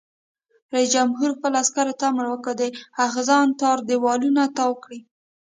رئیس جمهور خپلو عسکرو ته امر وکړ؛ د اغزن تار دیوالونه تاو کړئ!